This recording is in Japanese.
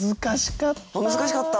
難しかった。